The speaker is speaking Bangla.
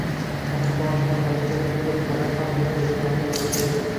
আমার পড়াশোনার খরচ থেকে শুরু করে থাকা-খাওয়ার জন্য প্রয়োজনীয় অর্থের জোগান দিয়েছেন।